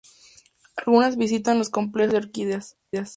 Algunas visitan las complejas flores de orquídeas.